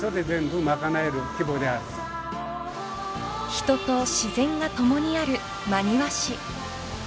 ［人と自然が共にある真庭市］